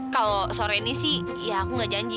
kalau sore ini sih ya aku nggak janji